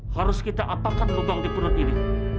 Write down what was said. harus kita apakan begang di perut ini